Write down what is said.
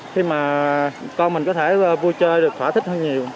khi mà con mình có thể vui chơi được thỏa thích hơn nhiều